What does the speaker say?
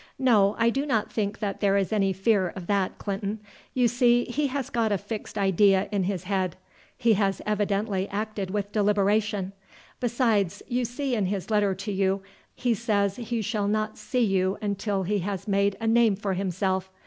"No, I do not think that there is any fear of that, Clinton. You see, he has got a fixed idea in his head; he has evidently acted with deliberation. Besides, you see in his letter to you he says he shall not see you until he has made a name for himself.